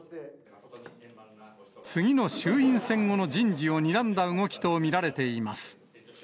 次の衆院選後の人事をにらんだ動きと見られています。